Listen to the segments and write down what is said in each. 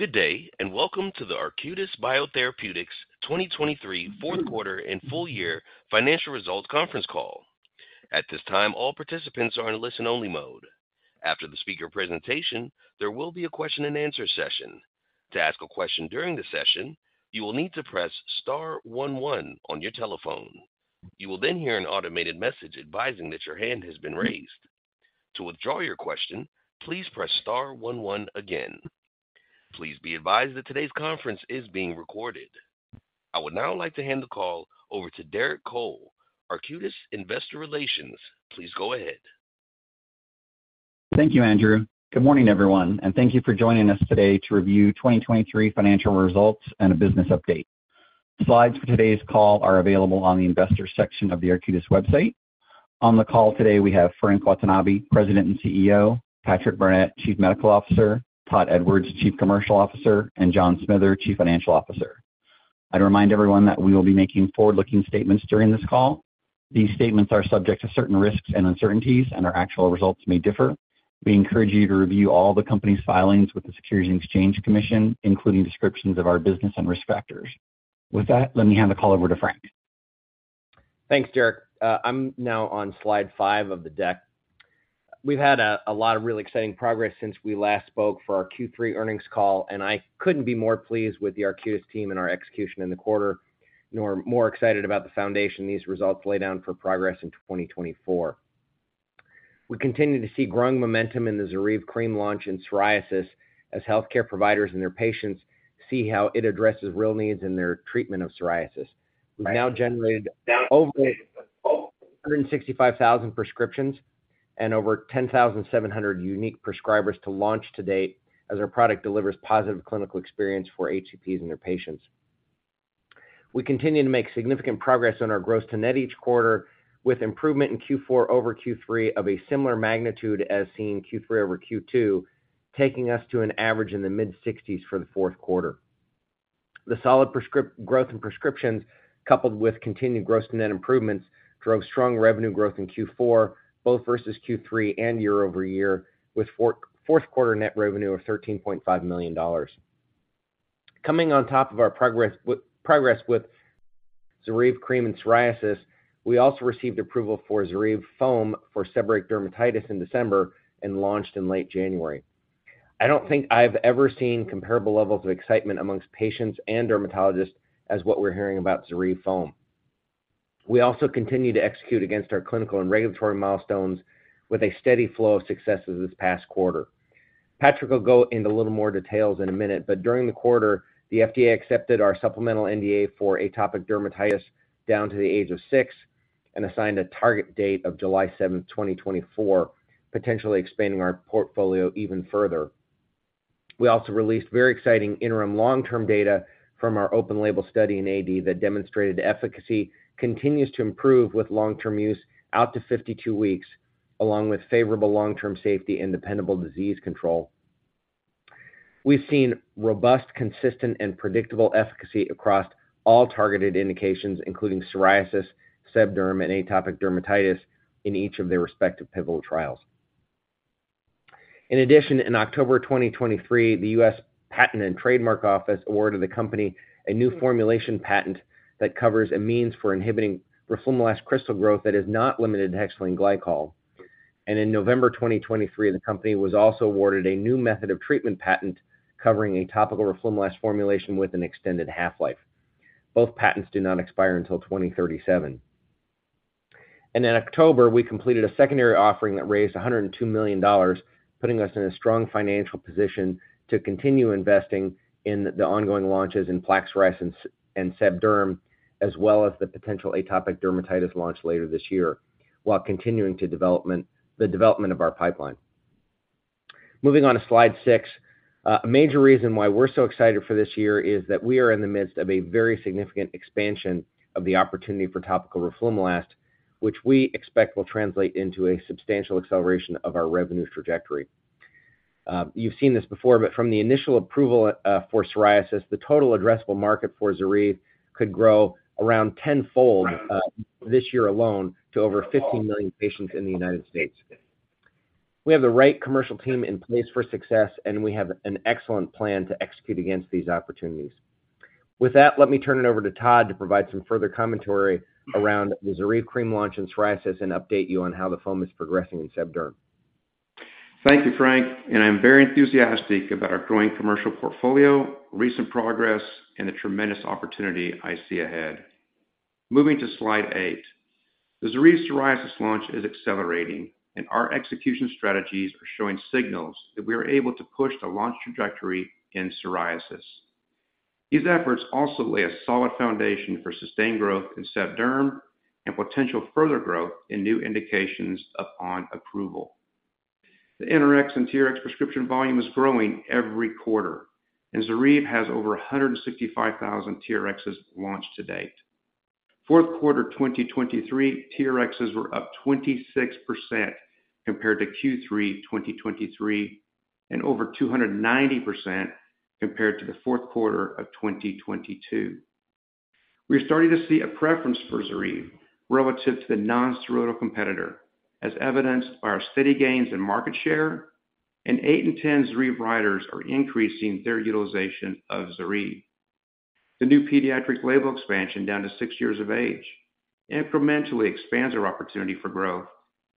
Good day and welcome to the Arcutis Biotherapeutics 2023 fourth quarter and full year financial results conference call. At this time, all participants are in listen-only mode. After the speaker presentation, there will be a question-and-answer session. To ask a question during the session, you will need to press star one one on your telephone. You will then hear an automated message advising that your hand has been raised. To withdraw your question, please press star one one again. Please be advised that today's conference is being recorded. I would now like to hand the call over to Derek Cole, Arcutis Investor Relations. Please go ahead. Thank you, Andrew. Good morning, everyone, and thank you for joining us today to review 2023 financial results and a business update. Slides for today's call are available on the investor section of the Arcutis website. On the call today, we have Frank Watanabe, President and CEO; Patrick Burnett, Chief Medical Officer; Todd Edwards, Chief Commercial Officer; and John Smither, Chief Financial Officer. I'd remind everyone that we will be making forward-looking statements during this call. These statements are subject to certain risks and uncertainties, and our actual results may differ. We encourage you to review all the company's filings with the Securities and Exchange Commission, including descriptions of our business and risk factors. With that, let me hand the call over to Frank. Thanks, Derek. I'm now on slide five of the deck. We've had a lot of really exciting progress since we last spoke for our Q3 earnings call, and I couldn't be more pleased with the Arcutis team and our execution in the quarter, nor more excited about the foundation these results lay down for progress in 2024. We continue to see growing momentum in the ZORYVE cream launch in psoriasis as healthcare providers and their patients see how it addresses real needs in their treatment of psoriasis. We've now generated over 165,000 prescriptions and over 10,700 unique prescribers to launch to date as our product delivers positive clinical experience for HCPs and their patients. We continue to make significant progress on our gross-to-net each quarter, with improvement in Q4 over Q3 of a similar magnitude as seen Q3 over Q2, taking us to an average in the mid-60s for the fourth quarter. The solid growth in prescriptions, coupled with continued gross-to-net improvements, drove strong revenue growth in Q4, both versus Q3 and year-over-year, with fourth-quarter net revenue of $13.5 million. Coming on top of our progress with ZORYVE cream in psoriasis, we also received approval for ZORYVE foam for seborrheic dermatitis in December and launched in late January. I don't think I've ever seen comparable levels of excitement among patients and dermatologists as what we're hearing about ZORYVE foam. We also continue to execute against our clinical and regulatory milestones with a steady flow of successes this past quarter. Patrick will go into a little more details in a minute, but during the quarter, the FDA accepted our supplemental NDA for atopic dermatitis down to the age of six and assigned a target date of July 7, 2024, potentially expanding our portfolio even further. We also released very exciting interim long-term data from our open-label study in AD that demonstrated efficacy continues to improve with long-term use out to 52 weeks, along with favorable long-term safety and dependable disease control. We've seen robust, consistent, and predictable efficacy across all targeted indications, including psoriasis, seb derm, and atopic dermatitis, in each of their respective pivotal trials. In addition, in October 2023, the U.S. Patent and Trademark Office awarded the company a new formulation patent that covers a means for inhibiting roflumilast crystal growth that is not limited to hexylene glycol. In November 2023, the company was also awarded a new method of treatment patent covering topical roflumilast formulation with an extended half-life. Both patents do not expire until 2037. In October, we completed a secondary offering that raised $102 million, putting us in a strong financial position to continue investing in the ongoing launches in plaque psoriasis and seb derm, as well as the potential atopic dermatitis launch later this year while continuing the development of our pipeline. Moving on to slide 6, a major reason why we're so excited for this year is that we are in the midst of a very significant expansion of the opportunity for topical roflumilast, which we expect will translate into a substantial acceleration of our revenue trajectory. You've seen this before, but from the initial approval for psoriasis, the total addressable market for ZORYVE could grow around tenfold this year alone to over 15 million patients in the United States. We have the right commercial team in place for success, and we have an excellent plan to execute against these opportunities. With that, let me turn it over to Todd to provide some further commentary around the ZORYVE cream launch in psoriasis and update you on how the foam is progressing in seb derm. Thank you, Frank, and I'm very enthusiastic about our growing commercial portfolio, recent progress, and the tremendous opportunity I see ahead. Moving to slide eight, the ZORYVE psoriasis launch is accelerating, and our execution strategies are showing signals that we are able to push the launch trajectory in psoriasis. These efforts also lay a solid foundation for sustained growth in seb derm and potential further growth in new indications upon approval. The NRX and TRX prescription volume is growing every quarter, and ZORYVE has over 165,000 TRXs launched to date. Fourth quarter 2023, TRXs were up 26% compared to Q3 2023 and over 290% compared to the fourth quarter of 2022. We are starting to see a preference for ZORYVE relative to the nonsteroidal competitor, as evidenced by our steady gains in market share, and eight in 10 ZORYVE writers are increasing their utilization of ZORYVE. The new pediatric label expansion down to six years of age incrementally expands our opportunity for growth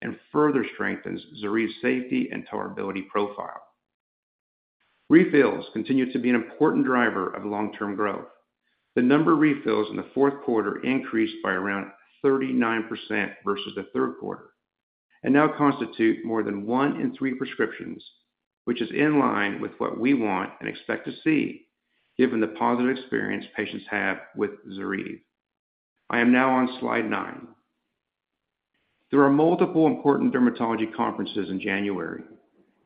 and further strengthens ZORYVE's safety and tolerability profile. Refills continue to be an important driver of long-term growth. The number of refills in the fourth quarter increased by around 39% versus the third quarter and now constitute more than one in three prescriptions, which is in line with what we want and expect to see given the positive experience patients have with ZORYVE. I am now on slide nine. There are multiple important dermatology conferences in January.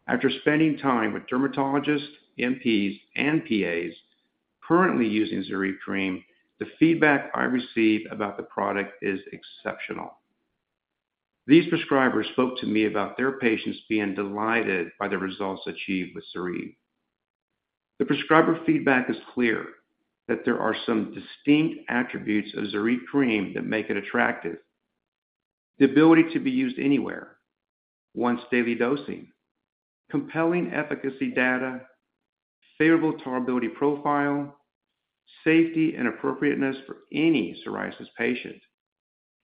After spending time with dermatologists, NPs, and PAs currently using ZORYVE cream, the feedback I receive about the product is exceptional. These prescribers spoke to me about their patients being delighted by the results achieved with ZORYVE. The prescriber feedback is clear that there are some distinct attributes of ZORYVE cream that make it attractive: the ability to be used anywhere, once daily dosing, compelling efficacy data, favorable tolerability profile, safety and appropriateness for any psoriasis patient.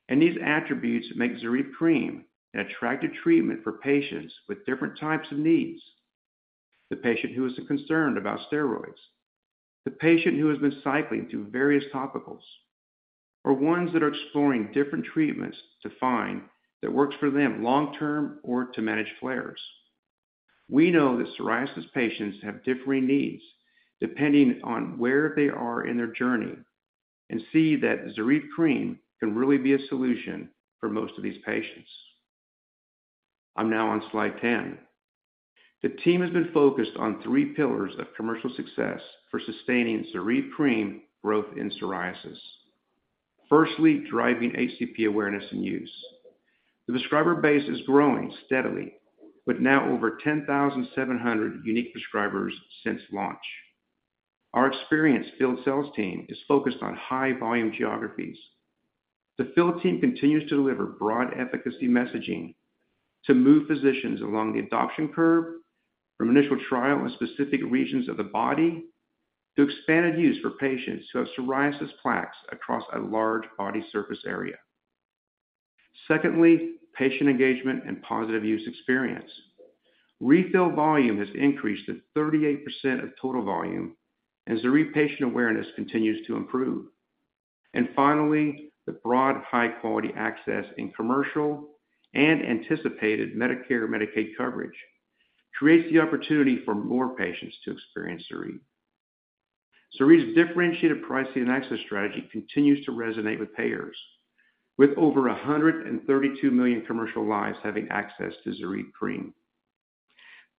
These attributes make ZORYVE cream an attractive treatment for patients with different types of needs: the patient who is concerned about steroids, the patient who has been cycling through various topicals, or ones that are exploring different treatments to find that works for them long-term or to manage flares. We know that psoriasis patients have differing needs depending on where they are in their journey and see that ZORYVE cream can really be a solution for most of these patients. I'm now on slide 10. The team has been focused on three pillars of commercial success for sustaining ZORYVE cream growth in psoriasis. Firstly, driving HCP awareness and use. The prescriber base is growing steadily, with now over 10,700 unique prescribers since launch. Our experienced field sales team is focused on high-volume geographies. The field team continues to deliver broad efficacy messaging to move physicians along the adoption curve from initial trial in specific regions of the body to expanded use for patients who have psoriasis plaques across a large body surface area. Secondly, patient engagement and positive use experience. Refill volume has increased to 38% of total volume, and ZORYVE patient awareness continues to improve. And finally, the broad high-quality access in commercial and anticipated Medicare/Medicaid coverage creates the opportunity for more patients to experience ZORYVE. ZORYVE's differentiated pricing and access strategy continues to resonate with payers, with over 132 million commercial lives having access to ZORYVE cream.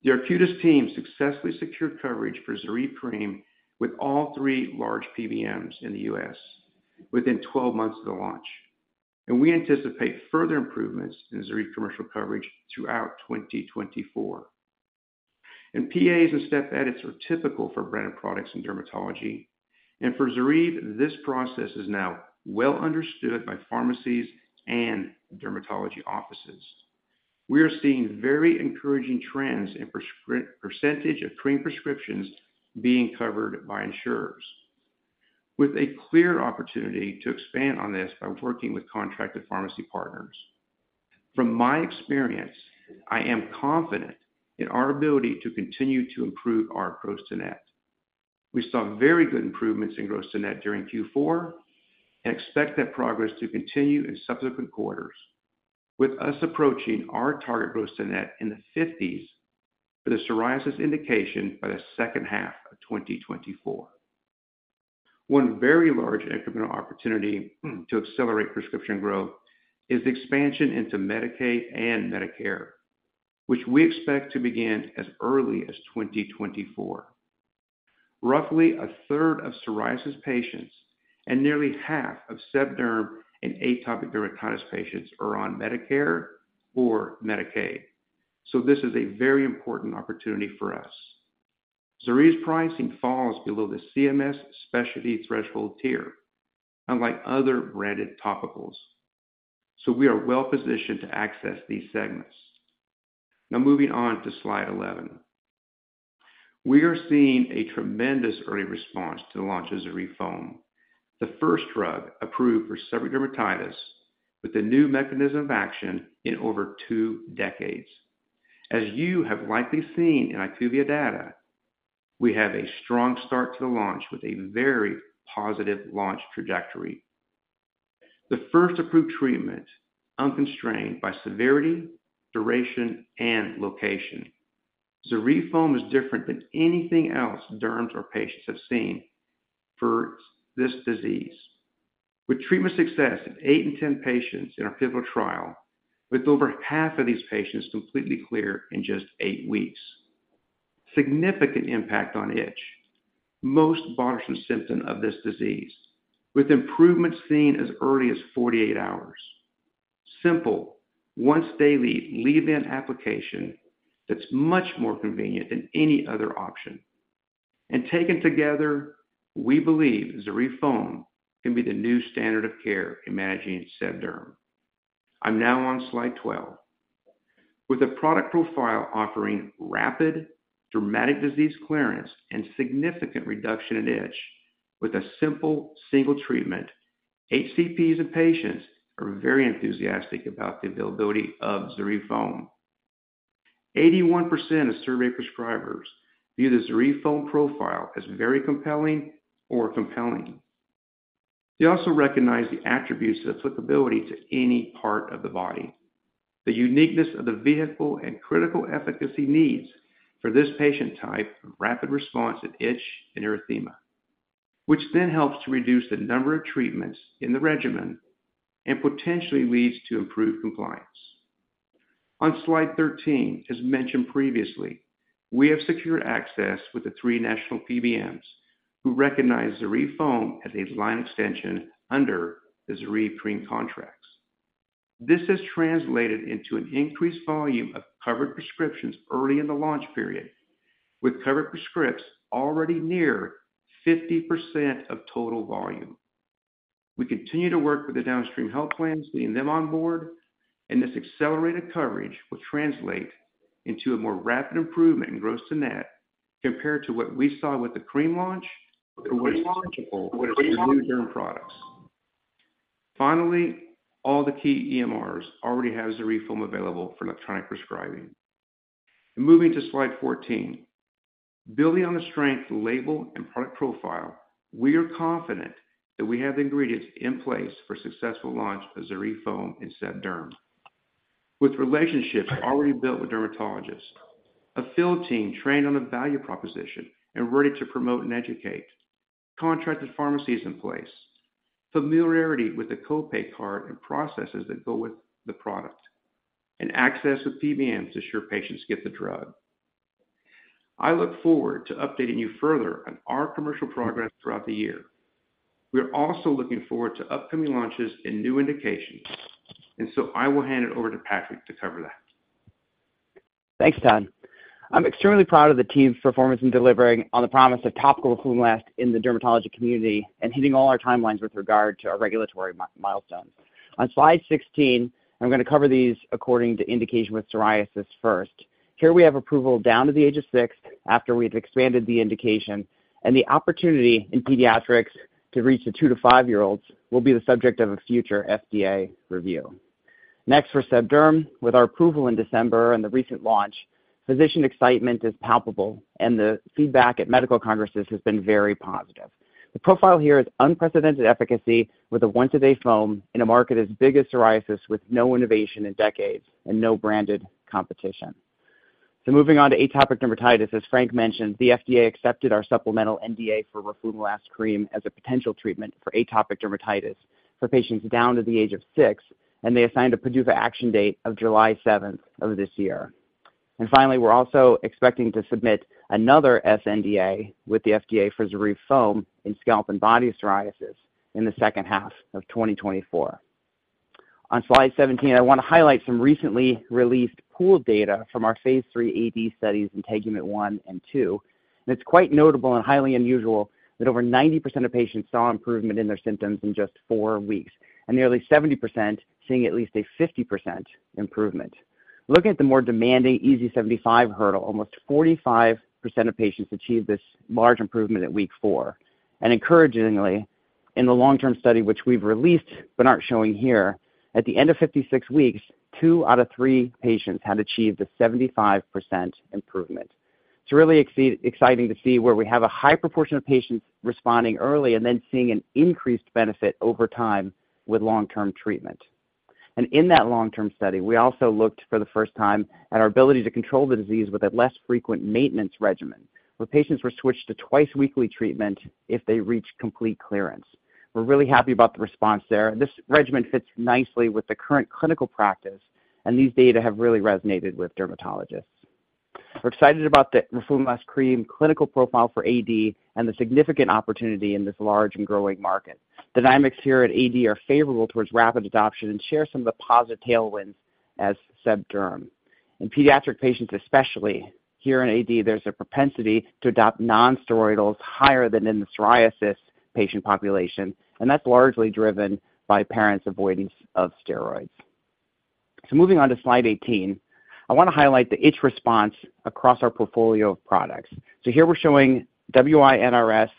The Arcutis team successfully secured coverage for ZORYVE cream with all three large PBMs in the U.S. Within 12 months of the launch, and we anticipate further improvements in ZORYVE commercial coverage throughout 2024. PAs and step edits are typical for branded products in dermatology, and for ZORYVE, this process is now well understood by pharmacies and dermatology offices. We are seeing very encouraging trends in percentage of cream prescriptions being covered by insurers, with a clear opportunity to expand on this by working with contracted pharmacy partners. From my experience, I am confident in our ability to continue to improve our gross-to-net. We saw very good improvements in gross-to-net during Q4 and expect that progress to continue in subsequent quarters, with us approaching our target gross-to-net in the 50s for the psoriasis indication by the second half of 2024. One very large incremental opportunity to accelerate prescription growth is the expansion into Medicaid and Medicare, which we expect to begin as early as 2024. Roughly a third of psoriasis patients and nearly half of seb derm and atopic dermatitis patients are on Medicare or Medicaid, so this is a very important opportunity for us. ZORYVE's pricing falls below the CMS specialty threshold tier, unlike other branded topicals, so we are well positioned to access these segments. Now, moving on to slide 11. We are seeing a tremendous early response to the launch of ZORYVE foam, the first drug approved for seborrheic dermatitis with a new mechanism of action in over two decades. As you have likely seen in IQVIA data, we have a strong start to the launch with a very positive launch trajectory. The first approved treatment, unconstrained by severity, duration, and location. ZORYVE foam is different than anything else derms or patients have seen for this disease, with treatment success in eight and 10 patients in our pivotal trial, with over half of these patients completely clear in just eight weeks. Significant impact on itch, most bothersome symptom of this disease, with improvements seen as early as 48 hours. Simple, once-daily leave-in application that's much more convenient than any other option. And taken together, we believe ZORYVE foam can be the new standard of care in managing seb derm. I'm now on slide 12. With a product profile offering rapid, dramatic disease clearance and significant reduction in itch, with a simple single treatment, HCPs and patients are very enthusiastic about the availability of ZORYVE foam. 81% of survey prescribers view the ZORYVE foam profile as very compelling or compelling. They also recognize the attributes of applicability to any part of the body, the uniqueness of the vehicle, and critical efficacy needs for this patient type of rapid response to itch and erythema, which then helps to reduce the number of treatments in the regimen and potentially leads to improved compliance. On slide 13, as mentioned previously, we have secured access with the three national PBMs who recognize ZORYVE foam as a line extension under the ZORYVE cream contracts. This has translated into an increased volume of covered prescriptions early in the launch period, with covered prescriptions already near 50% of total volume. We continue to work with the downstream health plans, getting them on board, and this accelerated coverage will translate into a more rapid improvement in gross-to-net compared to what we saw with the cream launch or what is launchable with the new derm products. Finally, all the key EMRs already have ZORYVE foam available for electronic prescribing. Moving to slide 14. Building on the strength of the label and product profile, we are confident that we have the ingredients in place for successful launch of ZORYVE foam in seb derm, with relationships already built with dermatologists, a field team trained on the value proposition and ready to promote and educate, contracted pharmacies in place, familiarity with the copay card and processes that go with the product, and access with PBMs to ensure patients get the drug. I look forward to updating you further on our commercial progress throughout the year. We are also looking forward to upcoming launches and new indications, and so I will hand it over to Patrick to cover that. Thanks, Todd. I'm extremely proud of the team's performance in delivering on the promise of topical roflumilast in the dermatology community and hitting all our timelines with regard to our regulatory milestones. On slide 16, I'm going to cover these according to indication with psoriasis first. Here we have approval down to the age of six after we have expanded the indication, and the opportunity in pediatrics to reach the two to five-year-olds will be the subject of a future FDA review. Next, for seb derm, with our approval in December and the recent launch, physician excitement is palpable, and the feedback at medical congresses has been very positive. The profile here is unprecedented efficacy with a once-a-day foam in a market as big as psoriasis with no innovation in decades and no branded competition. So moving on to atopic dermatitis, as Frank mentioned, the FDA accepted our sNDA for roflumilast cream as a potential treatment for atopic dermatitis for patients down to the age of six, and they assigned a PDUFA action date of July 7th of this year. Finally, we're also expecting to submit another sNDA with the FDA for ZORYVE foam in scalp and body psoriasis in the second half of 2024. On slide 17, I want to highlight some recently released pooled data from our phase III AD studies in INTEGUMENT-1 and INTEGUMENT-2. It's quite notable and highly unusual that over 90% of patients saw improvement in their symptoms in just four weeks, and nearly 70% seeing at least a 50% improvement. Looking at the more demanding EASI 75 hurdle, almost 45% of patients achieved this large improvement at week four. Encouragingly, in the long-term study which we've released but aren't showing here, at the end of 56 weeks, two out of three patients had achieved a 75% improvement. It's really exciting to see where we have a high proportion of patients responding early and then seeing an increased benefit over time with long-term treatment. In that long-term study, we also looked for the first time at our ability to control the disease with a less frequent maintenance regimen, where patients were switched to twice-weekly treatment if they reached complete clearance. We're really happy about the response there. This regimen fits nicely with the current clinical practice, and these data have really resonated with dermatologists. We're excited about the roflumilast cream clinical profile for AD and the significant opportunity in this large and growing market. Dynamics here at AD are favorable towards rapid adoption and share some of the positive tailwinds as seb derm. In pediatric patients especially, here in AD, there's a propensity to adopt nonsteroidals higher than in the psoriasis patient population, and that's largely driven by parents' avoidance of steroids. Moving on to slide 18, I want to highlight the itch response across our portfolio of products. Here we're showing WI-NRS,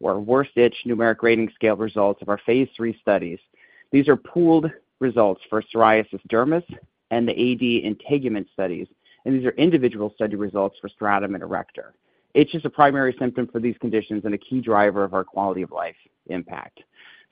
or Worst Itch Numeric Rating Scale results of our phase III studies. These are pooled results for psoriasis, seb derm, and the AD INTEGUMENT studies, and these are individual study results for STRATUM and ARRECTOR. Itch is a primary symptom for these conditions and a key driver of our quality of life impact.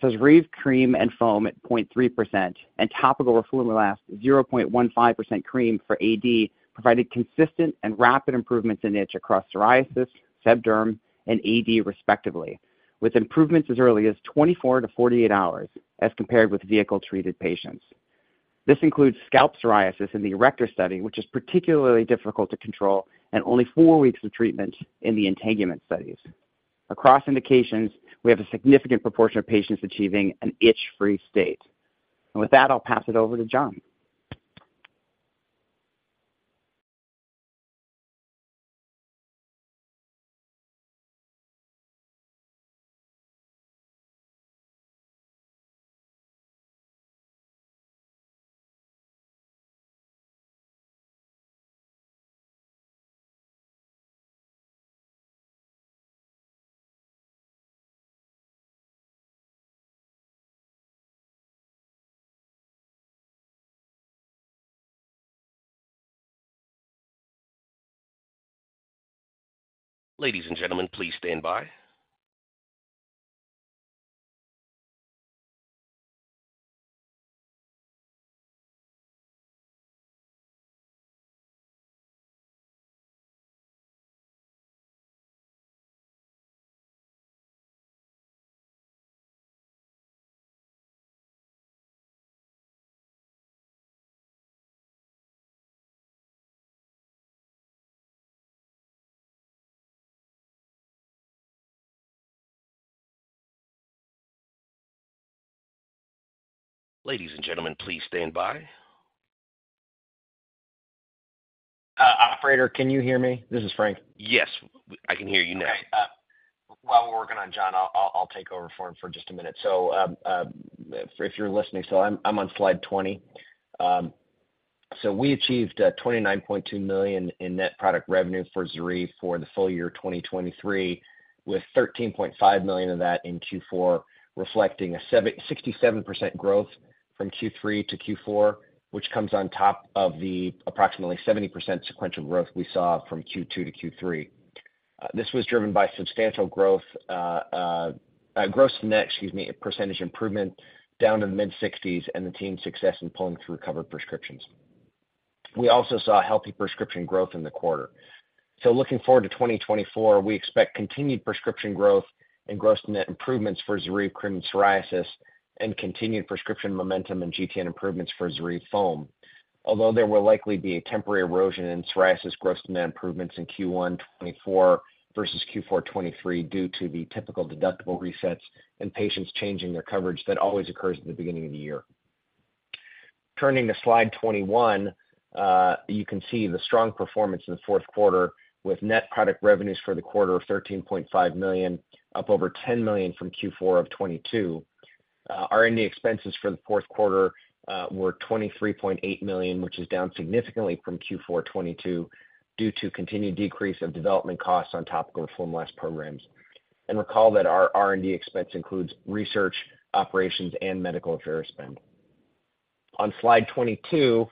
ZORYVE cream and foam at 0.3% and topical roflumilast 0.15% cream for AD provided consistent and rapid improvements in itch across psoriasis, seb derm, and AD respectively, with improvements as early as 24-48 hours as compared with vehicle-treated patients. This includes scalp psoriasis in the ARRECTOR study, which is particularly difficult to control, and only four weeks of treatment in the INTEGUMENT studies. Across indications, we have a significant proportion of patients achieving an itch-free state. With that, I'll pass it over to John. Ladies and gentlemen, please stand by. Please stand by. Ladies and gentlemen, please stand by. Operator, can you hear me? This is Frank. Yes, I can hear you now. Okay. While we're working on John, I'll take over for him for just a minute. So if you're listening still, I'm on slide 20. So we achieved $29.2 million in net product revenue for ZORYVE for the full year 2023, with $13.5 million of that in Q4 reflecting a 67% growth from Q3 to Q4, which comes on top of the approximately 70% sequential growth we saw from Q2-Q3. This was driven by substantial growth gross net, excuse me, percentage improvement down to the mid-60s and the team's success in pulling through covered prescriptions. We also saw healthy prescription growth in the quarter. Looking forward to 2024, we expect continued prescription growth and gross-to-net improvements for ZORYVE cream in psoriasis and continued prescription momentum and GTN improvements for ZORYVE foam, although there will likely be a temporary erosion in psoriasis gross-to-net improvements in Q1 2024 versus Q4 2023 due to the typical deductible resets and patients changing their coverage that always occurs at the beginning of the year. Turning to slide 21, you can see the strong performance in the fourth quarter with net product revenues for the quarter of $13.5 million, up over $10 million from Q4 of 2022. R&D expenses for the fourth quarter were $23.8 million, which is down significantly from Q4 2022 due to continued decrease of development costs on topical roflumilast programs. Recall that our R&D expense includes research, operations, and medical affairs spend. On slide 22,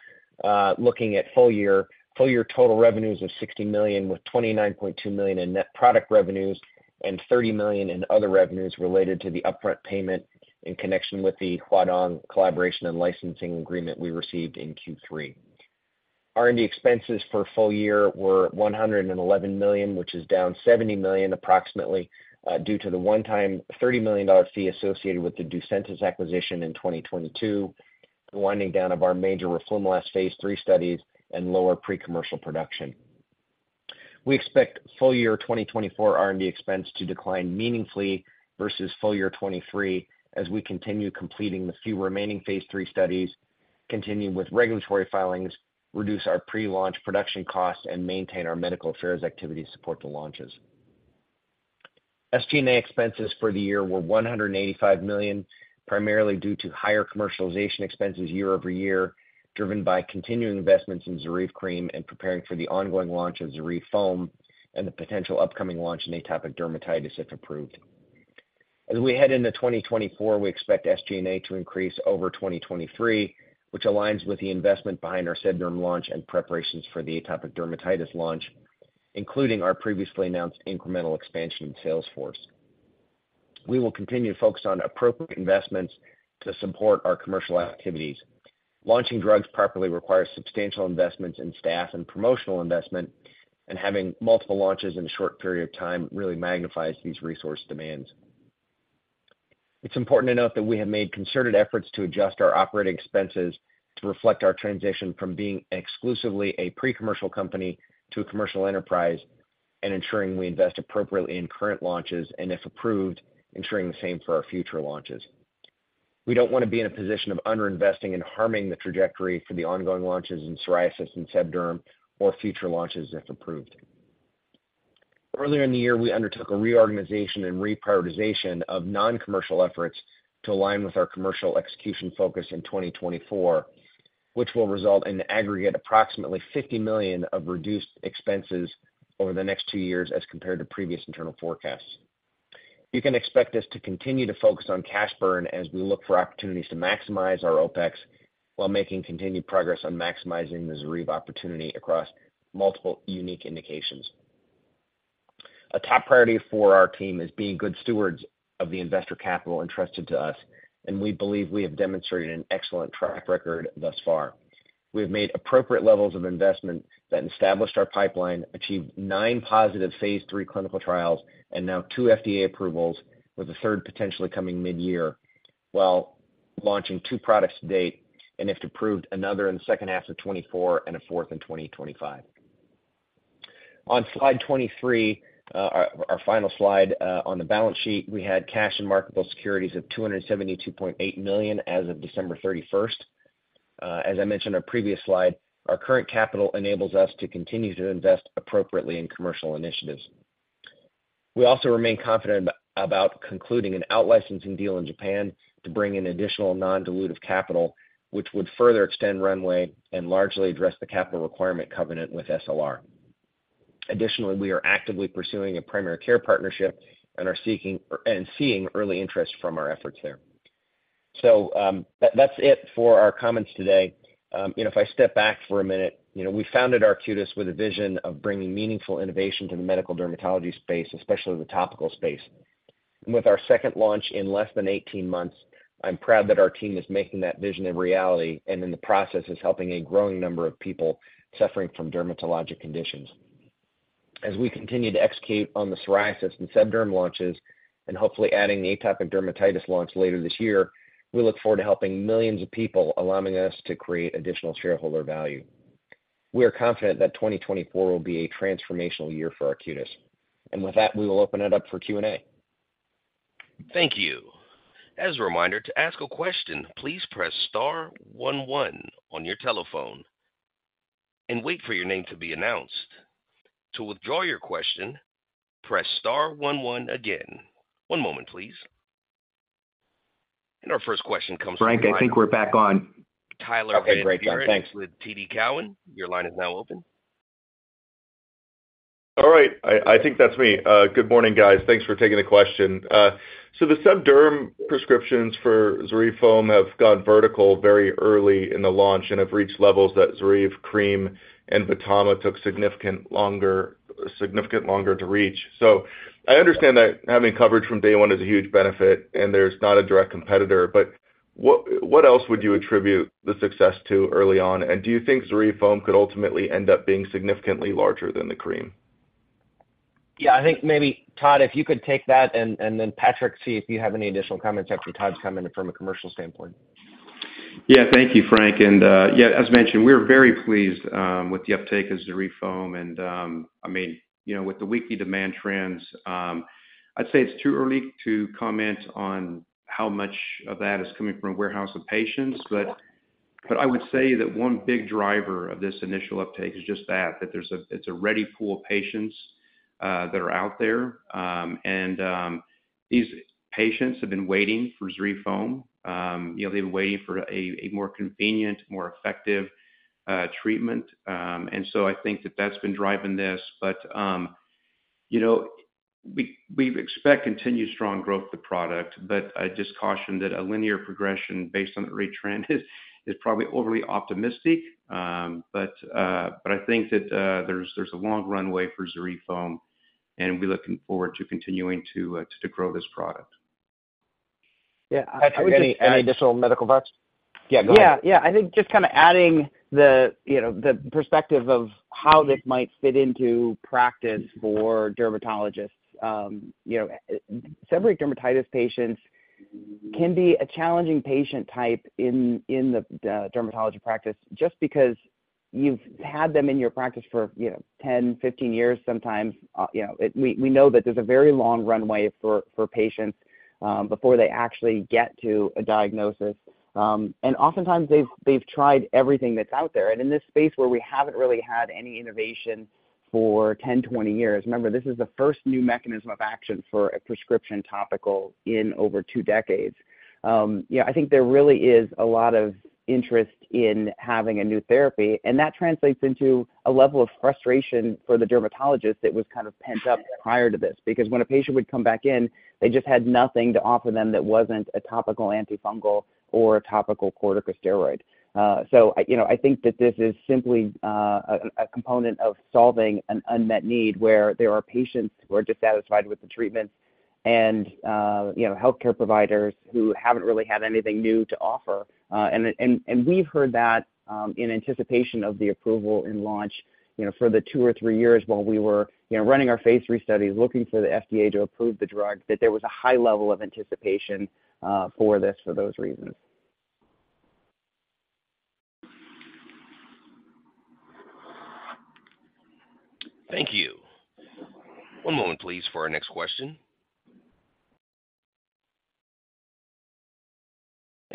looking at full year, full year total revenues of $60 million, with $29.2 million in net product revenues and $30 million in other revenues related to the upfront payment in connection with the Huadong collaboration and licensing agreement we received in Q3. R&D expenses for full year were $111 million, which is down $70 million approximately due to the one-time $30 million fee associated with the Ducentis acquisition in 2022, the winding down of our major roflumilast phase III studies and lower pre-commercial production. We expect full year 2024 R&D expense to decline meaningfully versus full year 2023 as we continue completing the few remaining phase 3 studies, continue with regulatory filings, reduce our pre-launch production costs, and maintain our medical affairs activity to support the launches. SG&A expenses for the year were $185 million, primarily due to higher commercialization expenses year over year driven by continuing investments in ZORYVE cream and preparing for the ongoing launch of ZORYVE foam and the potential upcoming launch in atopic dermatitis if approved. As we head into 2024, we expect SG&A to increase over 2023, which aligns with the investment behind our seb derm launch and preparations for the atopic dermatitis launch, including our previously announced incremental expansion of sales force. We will continue to focus on appropriate investments to support our commercial activities. Launching drugs properly requires substantial investments in staff and promotional investment, and having multiple launches in a short period of time really magnifies these resource demands. It's important to note that we have made concerted efforts to adjust our operating expenses to reflect our transition from being exclusively a pre-commercial company to a commercial enterprise and ensuring we invest appropriately in current launches and, if approved, ensuring the same for our future launches. We don't want to be in a position of underinvesting and harming the trajectory for the ongoing launches in psoriasis and seb derm or future launches if approved. Earlier in the year, we undertook a reorganization and reprioritization of non-commercial efforts to align with our commercial execution focus in 2024, which will result in an aggregate of approximately $50 million of reduced expenses over the next two years as compared to previous internal forecasts. You can expect us to continue to focus on cash burn as we look for opportunities to maximize our OpEx while making continued progress on maximizing the ZORYVE opportunity across multiple unique indications. A top priority for our team is being good stewards of the investor capital entrusted to us, and we believe we have demonstrated an excellent track record thus far. We have made appropriate levels of investment that established our pipeline, achieved nine positive phase three clinical trials, and now two FDA approvals, with a third potentially coming mid-year while launching two products to date and, if approved, another in the second half of 2024 and a fourth in 2025. On slide 23, our final slide on the balance sheet, we had cash and marketable securities of $272.8 million as of December 31st. As I mentioned on a previous slide, our current capital enables us to continue to invest appropriately in commercial initiatives. We also remain confident about concluding an out-licensing deal in Japan to bring in additional non-dilutive capital, which would further extend runway and largely address the capital requirement covenant with SLR. Additionally, we are actively pursuing a primary care partnership and are seeing early interest from our efforts there. That's it for our comments today. If I step back for a minute, we founded Arcutis with a vision of bringing meaningful innovation to the medical dermatology space, especially the topical space. With our second launch in less than 18 months, I'm proud that our team is making that vision a reality and in the process is helping a growing number of people suffering from dermatologic conditions. As we continue to execute on the psoriasis and seb derm launches and hopefully adding the atopic dermatitis launch later this year, we look forward to helping millions of people, allowing us to create additional shareholder value. We are confident that 2024 will be a transformational year for Arcutis. With that, we will open it up for Q&A. Thank you. As a reminder, to ask a question, please press star one one on your telephone and wait for your name to be announced. To withdraw your question, press star one one again. One moment, please. And our first question comes from. Frank, I think we're back on. Tyler Harris with TD Cowen. Your line is now open. All right. I think that's me. Good morning, guys. Thanks for taking the question. So the seb derm prescriptions for ZORYVE foam have gone vertical very early in the launch and have reached levels that ZORYVE cream and VTAMA took significantly longer to reach. So I understand that having coverage from day one is a huge benefit, and there's not a direct competitor. But what else would you attribute the success to early on? And do you think ZORYVE foam could ultimately end up being significantly larger than the cream? Yeah. I think maybe, Todd, if you could take that and then Patrick, see if you have any additional comments after Todd's come in from a commercial standpoint. Yeah. Thank you, Frank. And yeah, as mentioned, we're very pleased with the uptake of ZORYVE foam. And I mean, with the weekly demand trends, I'd say it's too early to comment on how much of that is coming from a warehouse of patients. But I would say that one big driver of this initial uptake is just that, that it's a ready pool of patients that are out there. And these patients have been waiting for ZORYVE foam. They've been waiting for a more convenient, more effective treatment. And so I think that that's been driving this. But we expect continued strong growth of the product. But I just cautioned that a linear progression based on the rate trend is probably overly optimistic. But I think that there's a long runway for ZORYVE foam, and we're looking forward to continuing to grow this product. Yeah. Patrick, any additional medical thoughts? Yeah, go ahead. Yeah. Yeah. I think just kind of adding the perspective of how this might fit into practice for dermatologists. Seborrheic dermatitis patients can be a challenging patient type in the dermatology practice just because you've had them in your practice for 10, 15 years sometimes. We know that there's a very long runway for patients before they actually get to a diagnosis. And oftentimes, they've tried everything that's out there. And in this space where we haven't really had any innovation for 10, 20 years remember, this is the first new mechanism of action for a prescription topical in over two decades. I think there really is a lot of interest in having a new therapy. That translates into a level of frustration for the dermatologists that was kind of pent up prior to this because when a patient would come back in, they just had nothing to offer them that wasn't a topical antifungal or a topical corticosteroid. So I think that this is simply a component of solving an unmet need where there are patients who are dissatisfied with the treatments and healthcare providers who haven't really had anything new to offer. And we've heard that in anticipation of the approval and launch for the two or three years while we were running our phase III studies, looking for the FDA to approve the drug, that there was a high level of anticipation for this for those reasons. Thank you. One moment, please, for our next question.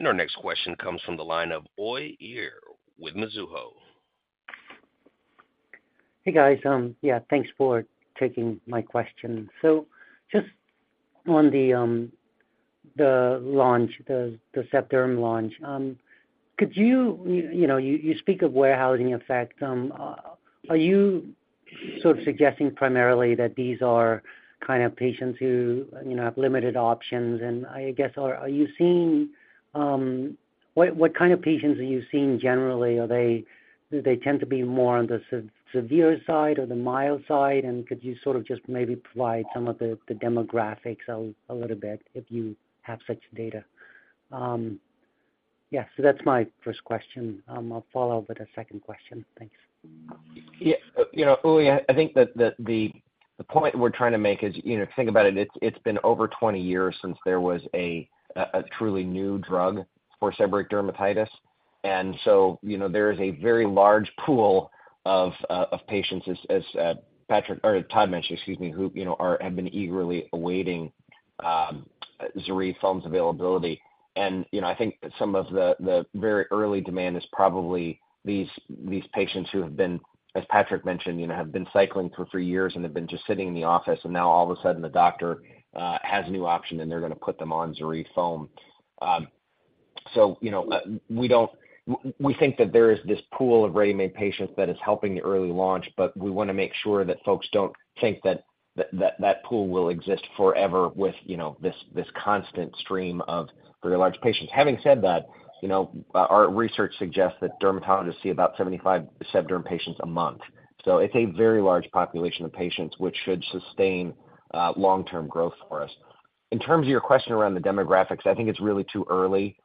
Our next question comes from the line of Uy Ear with Mizuho. Hey, guys. Yeah. Thanks for taking my question. So just on the launch, the seb derm launch, could you speak of warehousing effect. Are you sort of suggesting primarily that these are kind of patients who have limited options? And I guess, are you seeing what kind of patients are you seeing generally? Do they tend to be more on the severe side or the mild side? And could you sort of just maybe provide some of the demographics a little bit if you have such data? Yeah. So that's my first question. I'll follow up with a second question. Thanks. Yeah. Uy, I think that the point that we're trying to make is, if you think about it, it's been over 20 years since there was a truly new drug for seborrheic dermatitis. And so there is a very large pool of patients, as Patrick or Todd mentioned, excuse me, who have been eagerly awaiting ZORYVE foam's availability. And I think some of the very early demand is probably these patients who have been, as Patrick mentioned, have been cycling for three years and have been just sitting in the office. And now, all of a sudden, the doctor has a new option, and they're going to put them on ZORYVE foam. So we think that there is this pool of ready-made patients that is helping the early launch. But we want to make sure that folks don't think that that pool will exist forever with this constant stream of very large patients. Having said that, our research suggests that dermatologists see about 75 seb derm patients a month. So it's a very large population of patients, which should sustain long-term growth for us. In terms of your question around the demographics, I think it's really too early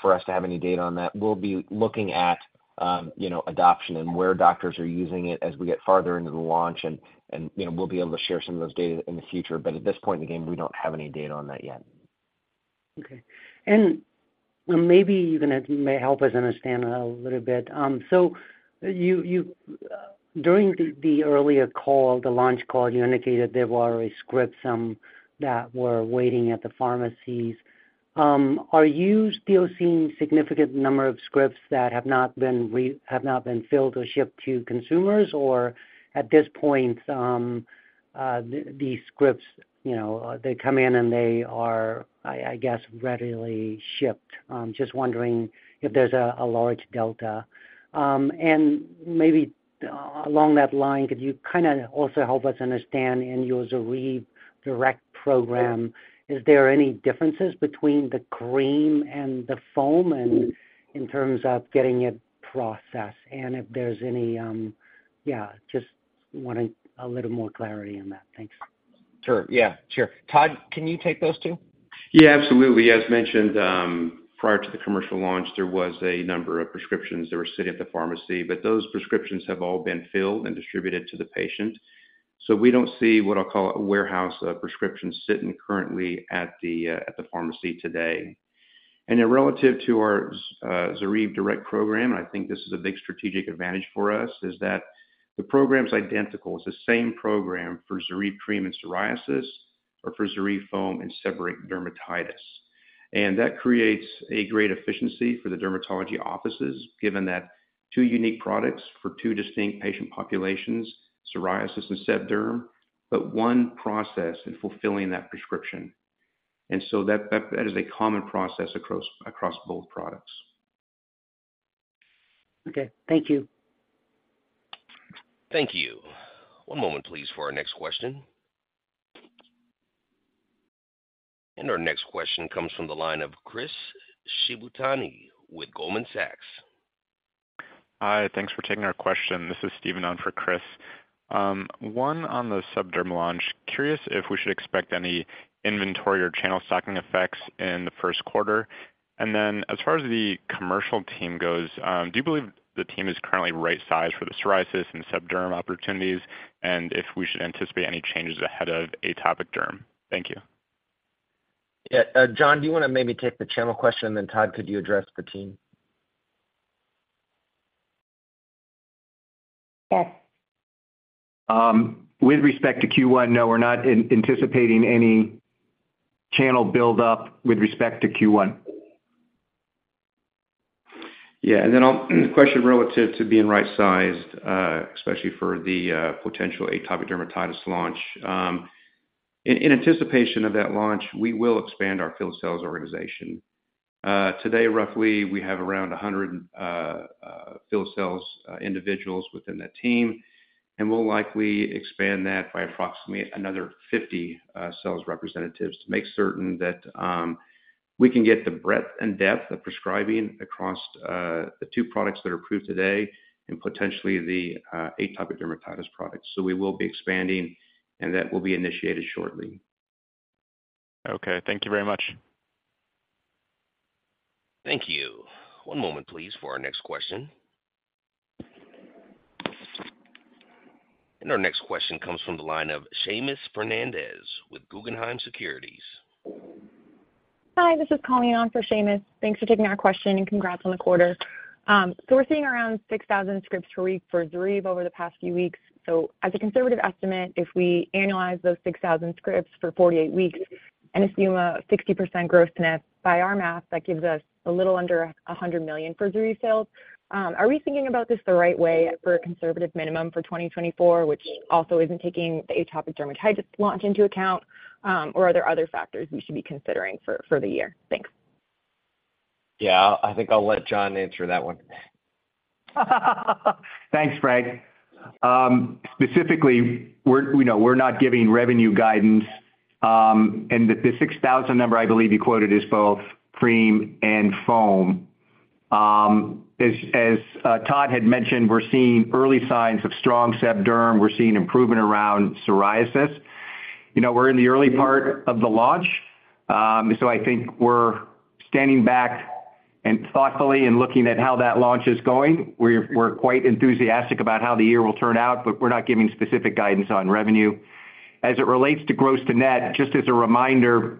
for us to have any data on that. We'll be looking at adoption and where doctors are using it as we get farther into the launch. And we'll be able to share some of those data in the future. But at this point in the game, we don't have any data on that yet. Okay. And maybe you can help us understand a little bit. So during the earlier call, the launch call, you indicated there were some scripts that were waiting at the pharmacies. Are you still seeing a significant number of scripts that have not been filled or shipped to consumers? Or at this point, these scripts, they come in, and they are, I guess, readily shipped. Just wondering if there's a large delta. And maybe along that line, could you kind of also help us understand, in your ZORYVE Direct program, is there any differences between the cream and the foam in terms of getting it processed? And if there's any yeah, just wanting a little more clarity on that. Thanks. Sure. Yeah. Sure. Todd, can you take those two? Yeah. Absolutely. As mentioned, prior to the commercial launch, there was a number of prescriptions that were sitting at the pharmacy. But those prescriptions have all been filled and distributed to the patient. So we don't see what I'll call a warehouse of prescriptions sitting currently at the pharmacy today. And relative to our ZORYVE Direct program, and I think this is a big strategic advantage for us, is that the program's identical. It's the same program for ZORYVE cream and psoriasis or for ZORYVE foam and seborrheic dermatitis. And that creates a great efficiency for the dermatology offices, given that two unique products for two distinct patient populations, psoriasis and seb derm, but one process in fulfilling that prescription. And so that is a common process across both products. Okay. Thank you. Thank you. One moment, please, for our next question. Our next question comes from the line of Chris Shibutani with Goldman Sachs. Hi. Thanks for taking our question. This is Stephen on for Chris. One on the seb derm launch. Curious if we should expect any inventory or channel stocking effects in the first quarter? And then as far as the commercial team goes, do you believe the team is currently right size for the psoriasis and seb derm opportunities? And if we should anticipate any changes ahead of atopic derm? Thank you. Yeah. John, do you want to maybe take the channel question? And then, Todd, could you address the team? With respect to Q1, no, we're not anticipating any channel buildup with respect to Q1. Yeah. Then the question relative to being right-sized, especially for the potential atopic dermatitis launch. In anticipation of that launch, we will expand our field sales organization. Today, roughly, we have around 100 field sales individuals within that team. And we'll likely expand that by approximately another 50 sales representatives to make certain that we can get the breadth and depth of prescribing across the two products that are approved today and potentially the atopic dermatitis products. So we will be expanding, and that will be initiated shortly. Okay. Thank you very much. Thank you. One moment, please, for our next question. Our next question comes from the line of Seamus Fernandez with Guggenheim Securities. Hi. This is Colleen on for Seamus. Thanks for taking our question, and congrats on the quarter. We're seeing around 6,000 scripts per week for ZORYVE over the past few weeks. As a conservative estimate, if we annualize those 6,000 scripts for 48 weeks and assume a 60% gross-to-net, by our math, that gives us a little under $100 million for ZORYVE sales. Are we thinking about this the right way for a conservative minimum for 2024, which also isn't taking the atopic dermatitis launch into account? Or are there other factors we should be considering for the year? Thanks. Yeah. I think I'll let John answer that one. Thanks, Frank. Specifically, we're not giving revenue guidance. The 6,000 number, I believe you quoted, is both cream and foam. As Todd had mentioned, we're seeing early signs of strong seb derm. We're seeing improvement around psoriasis. We're in the early part of the launch. So I think we're standing back thoughtfully and looking at how that launch is going. We're quite enthusiastic about how the year will turn out, but we're not giving specific guidance on revenue. As it relates to gross-to-net, just as a reminder,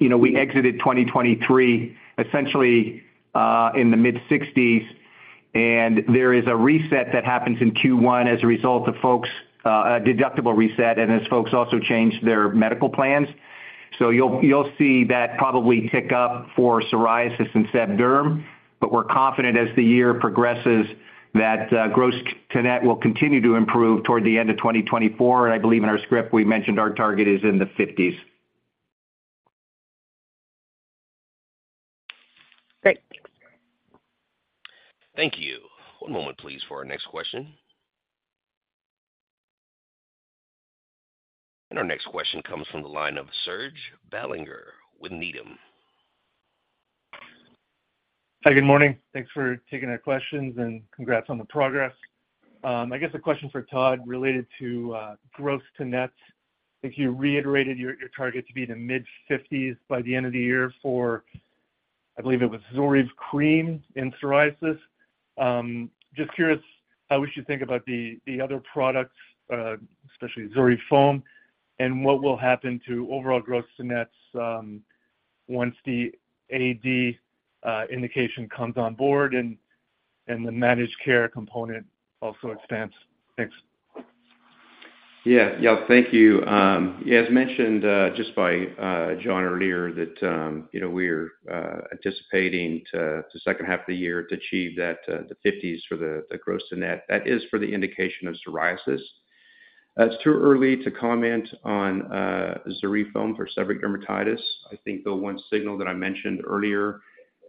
we exited 2023 essentially in the mid-60s%. There is a reset that happens in Q1 as a result of folks' deductible reset and as folks also change their medical plans. So you'll see that probably tick up for psoriasis and seb derm. We're confident, as the year progresses, that gross-to-net will continue to improve toward the end of 2024. I believe in our script, we mentioned our target is in the 50s. Great. Thanks. Thank you. One moment, please, for our next question. Our next question comes from the line of Serge Belanger with Needham. Hi. Good morning. Thanks for taking our questions, and congrats on the progress. I guess a question for Todd related to gross-to-net. I think you reiterated your target to be the mid-50s by the end of the year for, I believe it was, ZORYVE cream and psoriasis. Just curious how we should think about the other products, especially ZORYVE foam, and what will happen to overall gross-to-net once the AD indication comes on board and the managed care component also expands. Thanks. Yeah. Yeah. Thank you. Yeah. As mentioned just by John earlier that we're anticipating the second half of the year to achieve the 50s for the gross-to-net. That is for the indication of psoriasis. It's too early to comment on ZORYVE foam for seborrheic dermatitis. I think the one signal that I mentioned earlier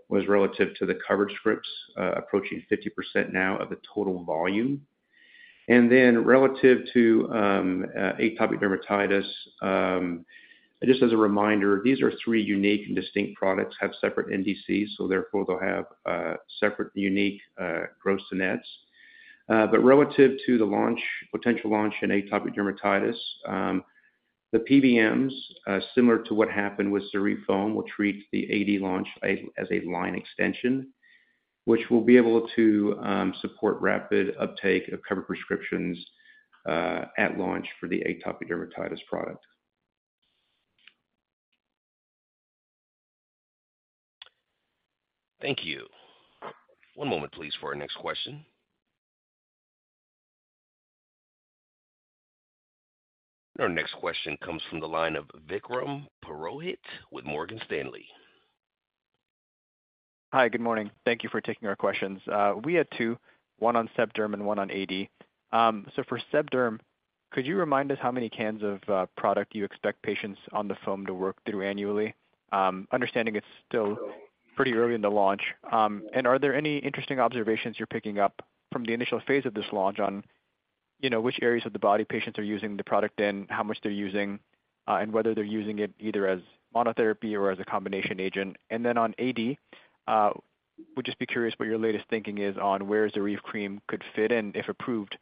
was relative to the covered scripts approaching 50% now of the total volume. And then relative to atopic dermatitis, just as a reminder, these are three unique and distinct products, have separate NDCs. So therefore, they'll have separate unique gross-to-nets. But relative to the potential launch in atopic dermatitis, the PBMs, similar to what happened with ZORYVE foam, will treat the AD launch as a line extension, which will be able to support rapid uptake of covered prescriptions at launch for the atopic dermatitis product. Thank you. One moment, please, for our next question. Our next question comes from the line of Vikram Purohit with Morgan Stanley. Hi. Good morning. Thank you for taking our questions. We had two, one on seb derm and one on AD. So for seb derm, could you remind us how many cans of product you expect patients on the foam to work through annually, understanding it's still pretty early in the launch? And are there any interesting observations you're picking up from the initial phase of this launch on which areas of the body patients are using the product in, how much they're using, and whether they're using it either as monotherapy or as a combination agent? And then on AD, we'd just be curious what your latest thinking is on where ZORYVE cream could fit in, if approved,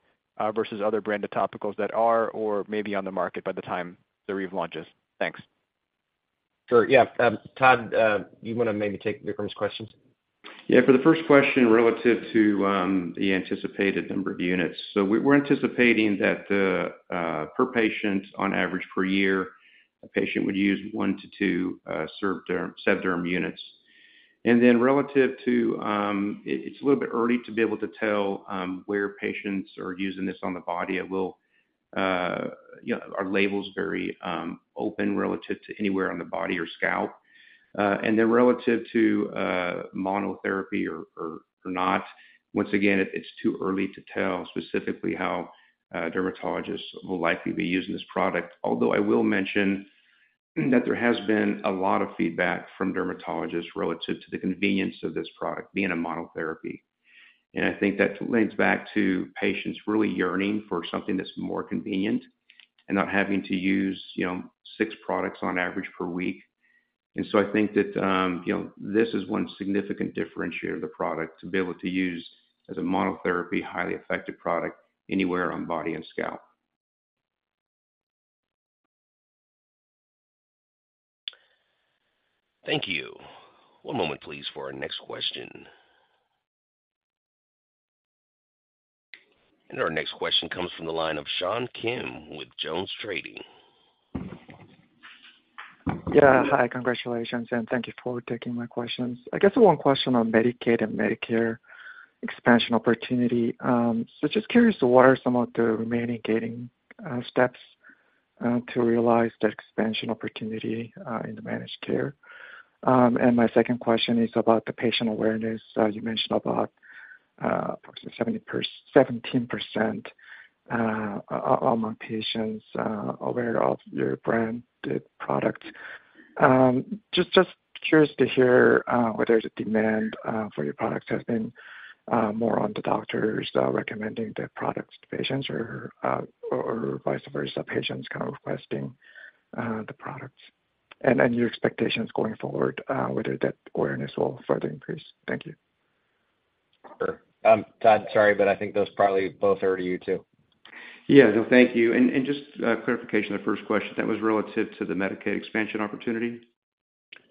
versus other branded topicals that are or may be on the market by the time ZORYVE launches. Thanks. Sure. Yeah. Todd, do you want to maybe take Vikram's questions? Yeah. For the first question relative to the anticipated number of units, so we're anticipating that per patient, on average, per year, a patient would use 1-2 seb derm units. And then relative to it's a little bit early to be able to tell where patients are using this on the body. Are labels very open relative to anywhere on the body or scalp? And then relative to monotherapy or not, once again, it's too early to tell specifically how dermatologists will likely be using this product. Although I will mention that there has been a lot of feedback from dermatologists relative to the convenience of this product being a monotherapy. And I think that lends back to patients really yearning for something that's more convenient and not having to use 6 products on average per week. And so I think that this is one significant differentiator of the product, to be able to use as a monotherapy, highly effective product anywhere on body and scalp. Thank you. One moment, please, for our next question. Our next question comes from the line of Sean Kim with Jones Trading. Yeah. Hi. Congratulations, and thank you for taking my questions. I guess the one question on Medicaid and Medicare expansion opportunity. So just curious, what are some of the remaining key steps to realize that expansion opportunity in the managed care? And my second question is about the patient awareness. You mentioned about approximately 17% among patients aware of your branded product. Just curious to hear whether the demand for your products has been more on the doctors recommending the products to patients or vice versa, patients kind of requesting the products? And then your expectations going forward, whether that awareness will further increase. Thank you. Sure. Todd, sorry, but I think those probably both are to you too. Yeah. No, thank you. And just clarification on the first question. That was relative to the Medicaid expansion opportunity?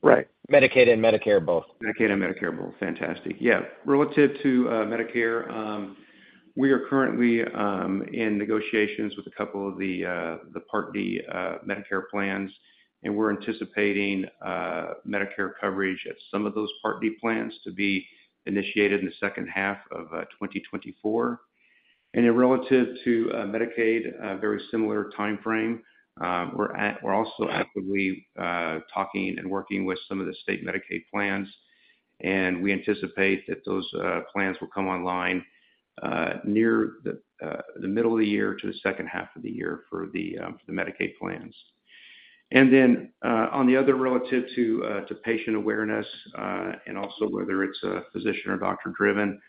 Right. Medicaid and Medicare, both. Medicaid and Medicare, both. Fantastic. Yeah. Relative to Medicare, we are currently in negotiations with a couple of the Part D Medicare plans. We're anticipating Medicare coverage at some of those Part D plans to be initiated in the second half of 2024. Relative to Medicaid, very similar timeframe. We're also actively talking and working with some of the state Medicaid plans. We anticipate that those plans will come online near the middle of the year to the second half of the year for the Medicaid plans. Relative to patient awareness and also whether it's physician or doctor-driven,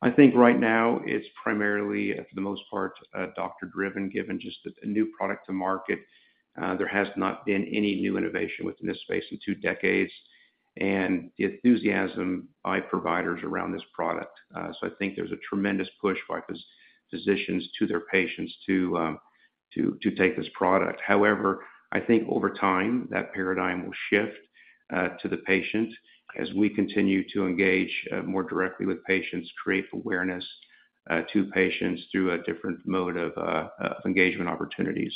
I think right now, it's primarily, for the most part, doctor-driven, given just a new product to market. There has not been any new innovation within this space in two decades and the enthusiasm by providers around this product. I think there's a tremendous push by physicians to their patients to take this product. However, I think over time, that paradigm will shift to the patient as we continue to engage more directly with patients, create awareness to patients through a different mode of engagement opportunities.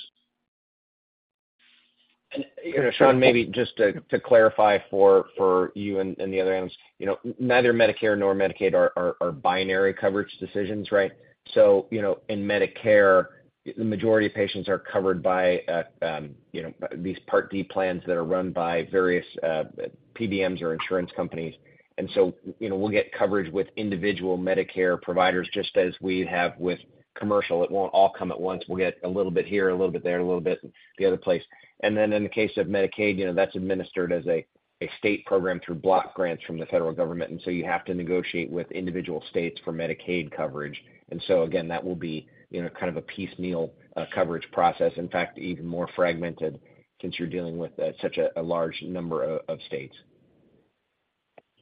Sean, maybe just to clarify for you and the other ends, neither Medicare nor Medicaid are binary coverage decisions, right? So in Medicare, the majority of patients are covered by these Part D plans that are run by various PBMs or insurance companies. And so we'll get coverage with individual Medicare providers just as we have with commercial. It won't all come at once. We'll get a little bit here, a little bit there, a little bit the other place. And then in the case of Medicaid, that's administered as a state program through block grants from the federal government. And so you have to negotiate with individual states for Medicaid coverage. And so again, that will be kind of a piecemeal coverage process, in fact, even more fragmented since you're dealing with such a large number of states.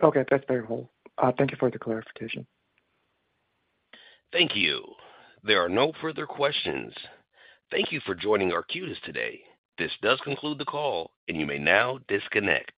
Okay. That's very helpful. Thank you for the clarification. Thank you. There are no further questions. Thank you for joining Arcutis today. This does conclude the call, and you may now disconnect.